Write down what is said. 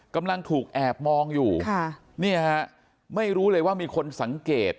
กำลังถูกแอบมองอยู่ค่ะเนี่ยฮะไม่รู้เลยว่ามีคนสังเกต